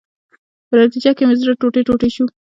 په نتیجه کې مې زړه ټوټې ټوټې شو.